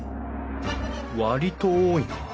割と多いな。